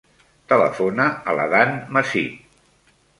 Telefona a l'Adán Masip.